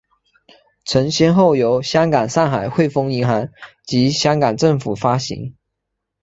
曾先后由香港上海汇丰银行及香港政府发行。